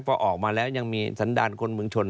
พอออกมาแล้วยังมีสันดาลคนเมืองชน